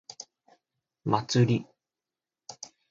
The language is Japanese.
祭り